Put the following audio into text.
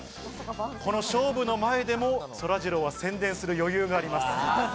この勝負の前でもそらジローは宣伝する余裕があります。